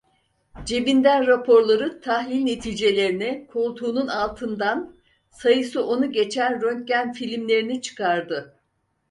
Cebinden raporları, tahlil neticelerini, koltuğunun altından, sayısı onu geçen röntgen filmlerini çıkardı.